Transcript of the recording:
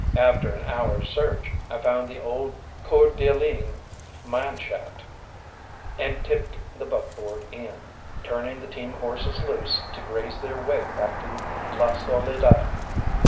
After an hour's search, I found the old Coeur d'Alene Mine shaft, and tipped the buckboard in, turning the team horses loose to graze their way back to La Soledad.